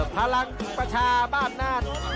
พลังประชาบ้านน่าน